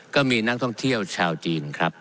ก็มีนักท่องเที่ยวชาวจีนครับ